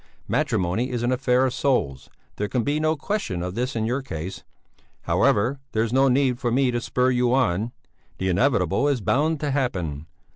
Matrimony is an affair of souls; there can be no question of this in your case. However, there's no need for me to spur you on; the inevitable is bound to happen.